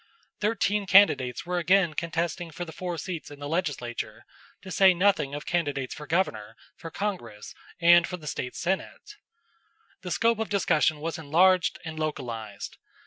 Thirteen candidates were again contesting for the four seats in the legislature, to say nothing of candidates for governor, for Congress, and for the State Senate. The scope of discussion was enlarged and localized.